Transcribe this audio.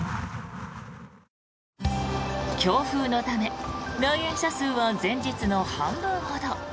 強風のため来園者数は前日の半分ほど。